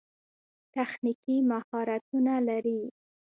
تخنیکي مهارتونه لري.